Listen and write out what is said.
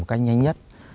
một cách nhanh nhất